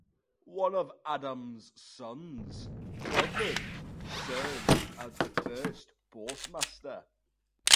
One of Adam's sons, Clifford, served as the first postmaster.